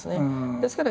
ですから